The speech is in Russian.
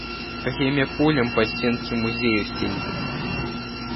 Время пулям по стенке музеев тенькать.